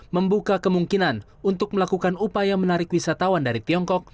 membuka kemungkinan untuk melakukan upaya menarik wisatawan dari tiongkok